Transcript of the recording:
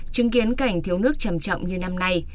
chứng kiến cảnh thiếu nước chầm chậm như năm nay